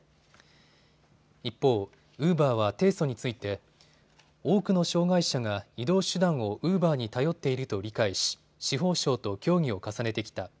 一方、ウーバーは提訴について多くの障害者が移動手段をウーバーに頼っていると理解し司法省と協議を重ねてきた。